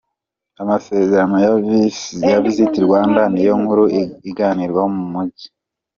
Amasezerano ya ‘Visit Rwanda’ ni yo nkuru iganirwaho mu mujyi.